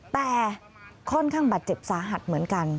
แต่ค่อนข้างบาดเจ็บสาหัสเหมือนกัน